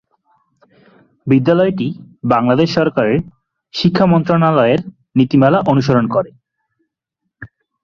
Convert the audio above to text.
বিদ্যালয়টি বাংলাদেশ সরকারের শিক্ষা মন্ত্রণালয়ের নীতিমালা অনুসরণ করে।